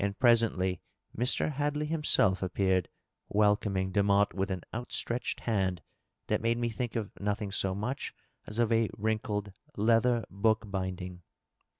And presently Mr. Hadley himself appeared, welcoming Demotte with an outstretehed hand that made me think of nothing so much as of a wrinkled leather book binding.